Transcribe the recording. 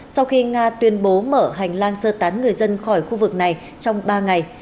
sau khi nga tuyên bố mở hành lang sơ tán người dân khỏi khu vực này trong ba ngày